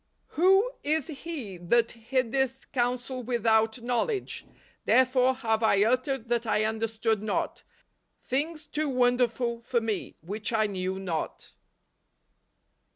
" TJ7to is he that hideth counsel without knoiol edge? therefore have I uttered that I understood not; things too wonderful forme, which I knew not."